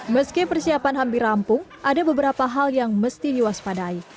meski persiapan hampir rampung ada beberapa hal yang mesti diwaspadai